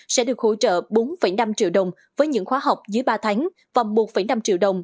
sẽ được hỗ trợ bốn năm triệu đồng với những khóa học dưới ba tháng và một năm triệu đồng